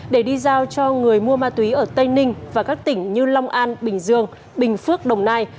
để đi giao cho người mua ma túy ở tây ninh và các tỉnh như long an bình dương bình phước đồng nai